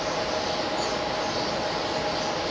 สุดท้าย